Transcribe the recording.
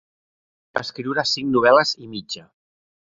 En un any va escriure cinc novel·les i mitja.